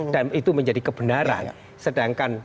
dan itu menjadi kebenaran sedangkan